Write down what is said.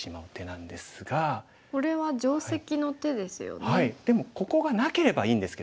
これは定石の手ですよね。